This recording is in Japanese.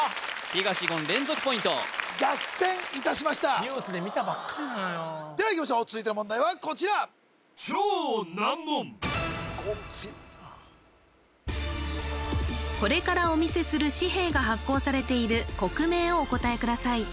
東言連続ポイント逆転いたしましたニュースで見たばっかりなのよでは続いての問題はこちらごん強いなこれからお見せする紙幣が発行されている国名をお答えください